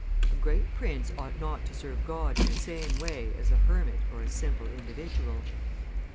A great prince ought not to serve God in the same way as a hermit or a simple individual."